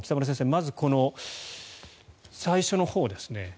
まず、最初のほうですね。